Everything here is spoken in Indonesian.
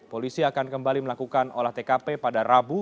polisi akan kembali melakukan olah tkp pada rabu